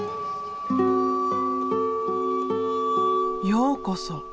ようこそ！